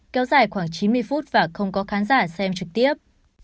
kéo dài khoảng chín mươi phút và không có khán giả xem trực tiếp